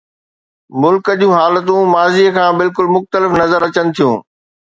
ملڪ جون حالتون ماضيءَ کان بلڪل مختلف نظر اچن ٿيون.